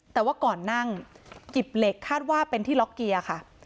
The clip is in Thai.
แต่ว่าก่อนนั่งหยิบเหล็กคาดว่าเป็นที่ล็อกเกียร์ค่ะ